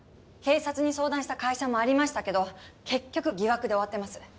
警察に相談した会社もありましたけど結局疑惑で終わってます。